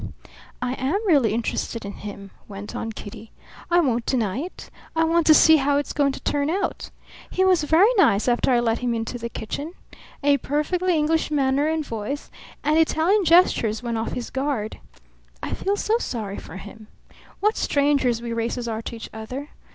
"I am really interested in him," went on Kitty. "I won't deny it. I want to see how it's going to turn out. He was very nice after I let him into the kitchen. A perfectly English manner and voice, and Italian gestures when off his guard. I feel so sorry for him. What strangers we races are to each other!